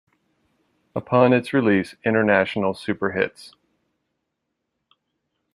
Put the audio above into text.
Upon its release, International Superhits!